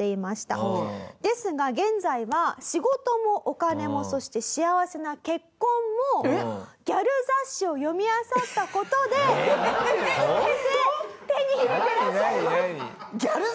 ですが現在は仕事もお金もそして幸せな結婚もギャル雑誌を読み漁った事で全て手に入れてらっしゃいます。